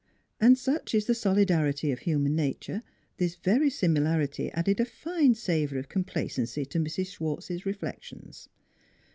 And such is the solidarity of human nature, this very simi larity added a fine savor of complacency to Mrs. Schwartz's reflections.